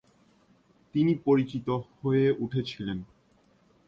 তিনি পরিচিত হয়ে উঠেছিলেন।